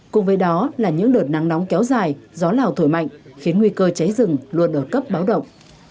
cùng với đó là những đợt nắng nóng kéo dài gió lào thổi mạnh khiến nguy cơ cháy rừng luôn ở cấp báo động